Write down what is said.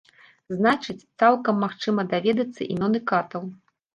Значыць, цалкам магчыма даведацца імёны катаў.